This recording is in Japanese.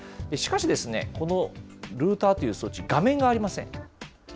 しかし、このルーターという装置、画面がありません。